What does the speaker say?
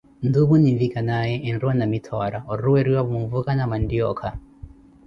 Nti opo ninvikanaaye enriwa Namithoora, oruweriwavo mvuka na manttioyakha.